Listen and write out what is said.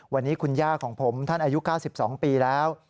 วันนี้คุณย่าของผมท่านอายุ๙๒ปีแล้ว